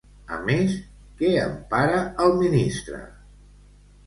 A més, què empara el ministre?